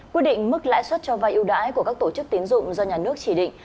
quyết định mức lãi suất cho vay ưu đãi của các tổ chức tín dụng do nhà nước chỉ định